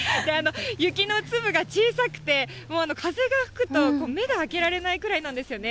雪の粒が小さくて、風が吹くと目が開けられないくらいなんですよね。